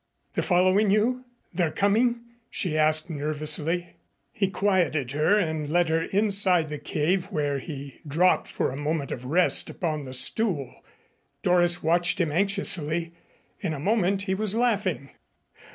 "They're following you? They're coming?" she asked nervously. He quieted her and led her inside the cave, where he dropped for a moment of rest upon the stool. Doris watched him anxiously. In a moment he was laughing.